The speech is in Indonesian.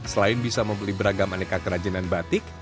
selain bisa membeli beragam aneka kerajinan batik